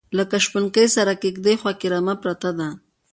لکه شپونکي سره کیږدۍ خواکې رمه پرته ده